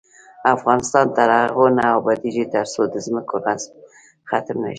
افغانستان تر هغو نه ابادیږي، ترڅو د ځمکو غصب ختم نشي.